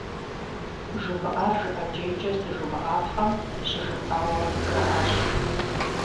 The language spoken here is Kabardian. Жумыӏар жыӏэкӏейкӏэ здыжумыӏапхъэм щыжыпӏауэ жаӏащ.